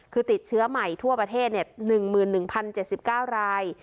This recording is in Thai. คือติดเชื้อใหม่ทั่วประเทศ๑๑๐๗๙ราย